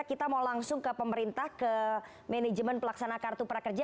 kita mau langsung ke pemerintah ke manajemen pelaksana kartu prakerja